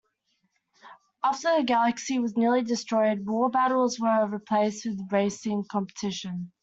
After the galaxy was nearly destroyed, war battles were replaced with racing competition.